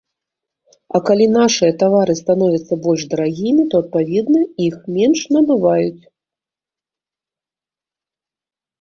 А калі нашыя тавары становяцца больш дарагімі, то, адпаведна, іх менш набываюць.